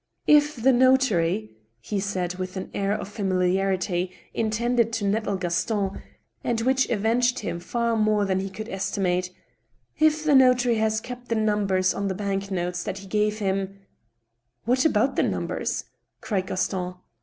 " If the notary," he said, with an air of familiarity, intended to nettle Gaston, and which avenged him far more than he could esti mate — "if the notary has kept the numbers of the bank notes that he gave him —"" What about the numbers ?" cried Gaston.